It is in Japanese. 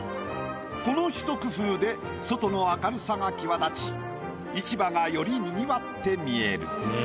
このひと工夫で外の明るさが際立ち市場がよりにぎわって見える。